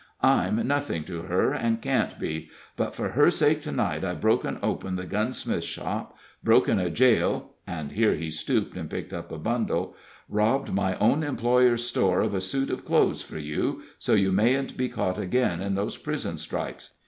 "I'm nothing to her, and can't be, but for her sake to night I've broken open the gunsmith's shop, broken a jail, and" here he stooped, and picked up a bundle "robbed my own employer's store of a suit of clothes for you, so you mayn't be caught again in those prison stripes.